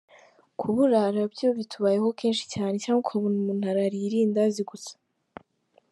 Kuburara byo bitubayeho kenshi cyane cyangwa ukabona umuntu arariye irindazi gusa.